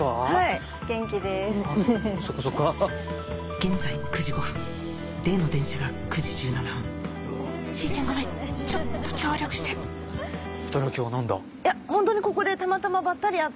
現在９時５分例の電車が９時１７分しーちゃんごめんちょっと協力して２人は今日何だ？いやホントにここでたまたまばったり会って。